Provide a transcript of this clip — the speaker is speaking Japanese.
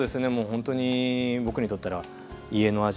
ほんとに僕にとったら家の味